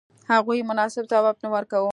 هغوی مناسب ځواب نه ورکاوه.